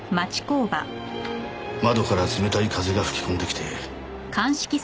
窓から冷たい風が吹き込んできて。